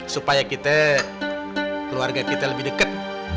supaya kita keluarga kita lebih dekat